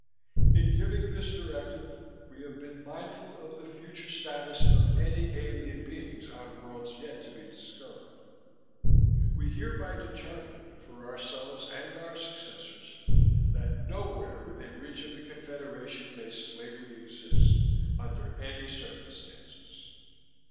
In giving this directive, We have been mindful of the future status of any alien beings on worlds yet to be discovered. We hereby determine, for ourselves and our successors, that nowhere within reach of the Confederation may slavery exist, under any circumstances.